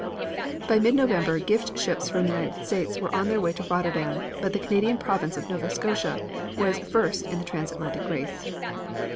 By mid November gift ships from the United States were on their way to Rotterdam, but the Canadian province of Nova Scotia was first in the transatlantic race.